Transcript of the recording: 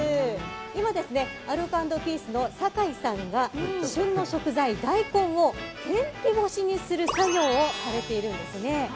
今、アルコ＆ピースの酒井さんが旬の食材・大根を天日干しにする作業をされているんです。